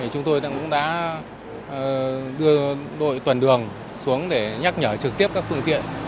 chúng tôi cũng đã đưa đội tuần đường xuống để nhắc nhở trực tiếp các phương tiện